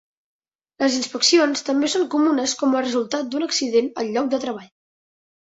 Les inspeccions també són comunes com a resultat d'un accident al lloc de treball.